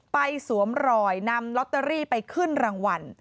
สวมรอยนำลอตเตอรี่ไปขึ้นรางวัล